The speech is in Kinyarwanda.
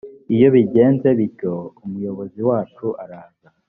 iyo bigenze bityo umuyobozi wacu araza.